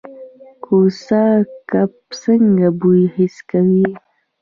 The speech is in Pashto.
کوسه کب څنګه بوی حس کوي؟